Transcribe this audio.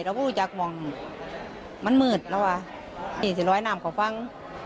เราพูดจากมองมันมืดแล้วอ่ะสี่ร้อยน้ำขอฟัง